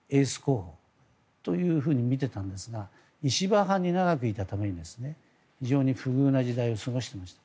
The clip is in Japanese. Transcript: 将来のエース候補と見ていたんですが石破派に長くいたために非常に不遇な時代を過ごしてました。